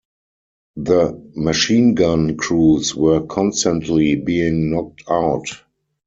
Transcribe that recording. The machine gun crews were constantly being knocked out.